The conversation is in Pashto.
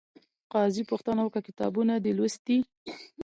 قاضي پوښتنه وکړه، کتابونه یې دې لوستي؟